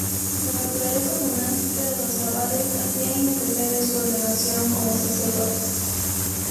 La naturaleza monástica de los abades, hacía innecesaria su ordenación como sacerdotes.